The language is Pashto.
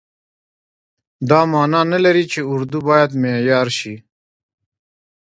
دا معنا نه لري چې اردو باید معیار شي.